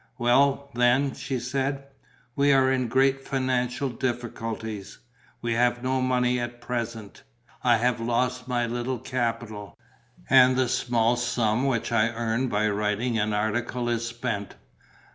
"Well, then," she said, "we are in great financial difficulties. We have no money at present. I have lost my little capital; and the small sum which I earned by writing an article is spent.